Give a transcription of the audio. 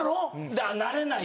だから慣れないと。